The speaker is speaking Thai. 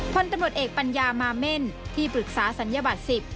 พลตำรวจเอกปัญญามาเม่นที่ปรึกษาศัลยบัตร๑๐